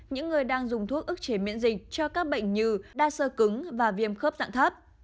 những người đang dùng thuốc ức chế miễn dịch cho các bệnh như đa sơ cứng và viêm khớp dạng thấp